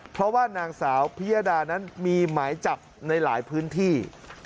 เพราะว่านางสาวพิยดานั้นมีหมายจับในหลายพื้นที่